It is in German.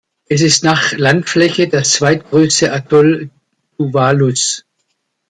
Es ist nach Landfläche das zweitgrößte Atoll Tuvalus.